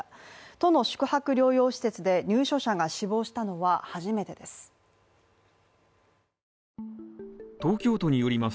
都の宿泊療養施設で入所者が死亡したのは初めてです。